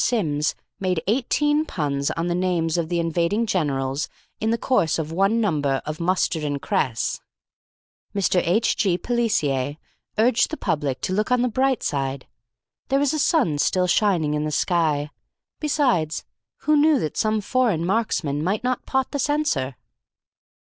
Sims made eighteen puns on the names of the invading generals in the course of one number of "Mustard and Cress." Mr. H. G. Pelissier urged the public to look on the bright side. There was a sun still shining in the sky. Besides, who knew that some foreign marksman might not pot the censor?